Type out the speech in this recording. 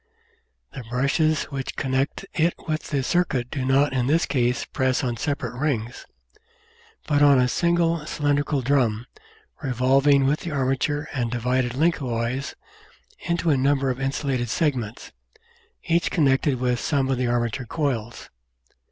The brushes which connect it with the circuit do not in this case press on separate rings, but on a single cylindrical drum, revolving with the arma ture and divided lengthwise into a number of insulated segments, each connected with some of the armature coils.